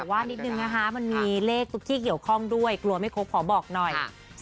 ว่านิดนึงนะคะมันมีเลขทุกที่เกี่ยวข้องด้วยกลัวไม่ครบขอบอกหน่อย